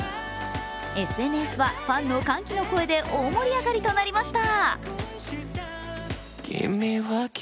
ＳＮＳはファンの歓喜の声で大盛り上がりとなりました。